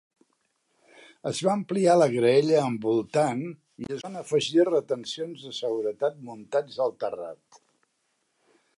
Es va ampliar la graella envoltant, i es van afegir retencions de seguretat muntats al terrat.